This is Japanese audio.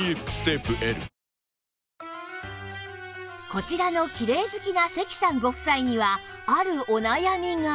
こちらのきれい好きな関さんご夫妻にはあるお悩みが